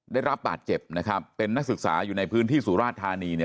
ได้รับบาดเจ็บนะครับเป็นนักศึกษาอยู่ในพื้นที่สุราชธานีเนี่ย